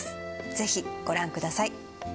ぜひご覧ください。